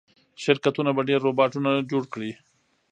شرکتونه به ډېر روباټونه جوړ کړي.